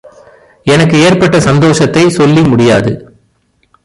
எனக்கு ஏற்பட்ட சந்தோஷத்தைச் சொல்லி முடியாது!